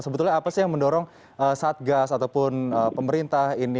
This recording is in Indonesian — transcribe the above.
sebetulnya apa sih yang mendorong satgas ataupun pemerintah ini